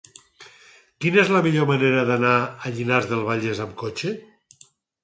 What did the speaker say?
Quina és la millor manera d'anar a Llinars del Vallès amb cotxe?